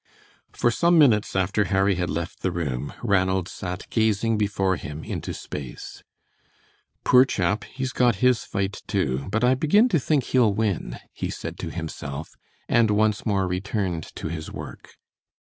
For some minutes after Harry had left the room Ranald sat gazing before him into space. "Poor chap, he's got his fight, too, but I begin to think he'll win," he said to himself, and once more returned to his work.